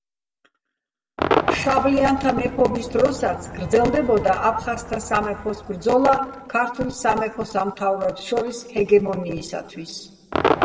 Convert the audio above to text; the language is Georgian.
შავლიანთა მეფობის დროსაც გრძელდებოდა აფხაზთა სამეფოს ბრძოლა ქართულ სამეფო–სამთავროებს შორის ჰეგემონიისათვის.